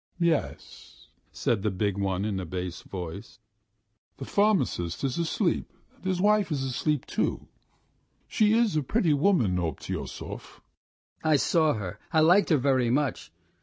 "M'yes," said the big one in a bass voice. "The pharmacist is asleep. And his wife is asleep too. She is a pretty woman, Obtyosov." "I saw her. I liked her very much.